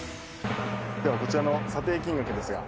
「ではこちらの査定金額ですが」